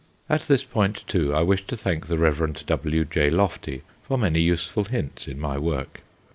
At this point, too, I wish to thank the Rev. W. J. Loftie for many useful hints in my work.